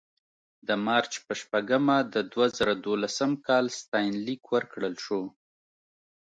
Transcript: د مارچ په شپږمه د دوه زره دولسم کال ستاینلیک ورکړل شو.